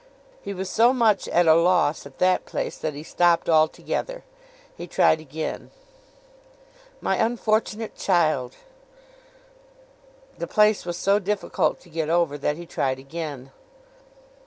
He was so much at a loss at that place, that he stopped altogether. He tried again. 'My unfortunate child.' The place was so difficult to get over, that he tried again.